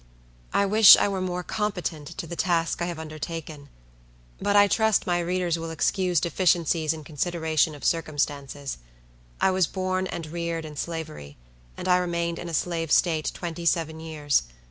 I wish I were more competent to the task I have undertaken. But I trust my readers will excuse deficiencies in consideration of circumstances. I was born and reared in Slavery; and I remained in a Slave State twenty seven years.